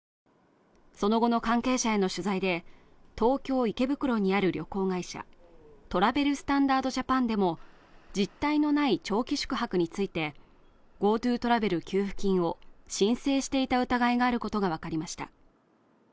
その後の関係者への取材で東京・池袋にある旅行会社トラベル・スタンダード・ジャパンでも実態のない長期宿泊についてＧｏＴｏトラベル給付金を申請していた疑いがあることが分かりました